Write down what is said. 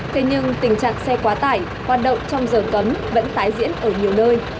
thế nhưng tình trạng xe quá tải hoạt động trong giờ cấm vẫn tái diễn ở nhiều nơi